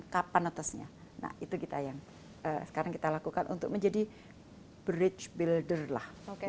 kapan netesnya nah itu kita yang sekarang kita lakukan untuk menjadi bridge builder lah